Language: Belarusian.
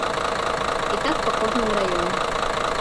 І так па кожным раёне.